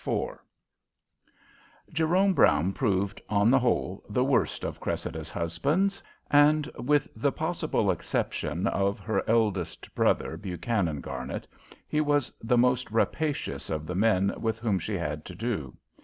IV Jerome Brown proved, on the whole, the worst of Cressida's husbands, and, with the possible exception of her eldest brother, Buchanan Garnet, he was the most rapacious of the men with whom she had had to do.